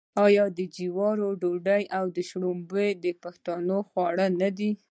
آیا د جوارو ډوډۍ او شړومبې د پښتنو خواړه نه دي؟